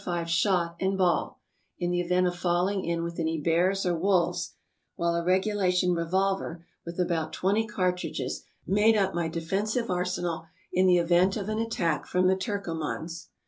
5 shot and ball, in the event of falling in with any bears or wolves, while a regulation revolver, with about twenty cartridges, made up my defensive arsenal in the event of an attack from the Turkomans.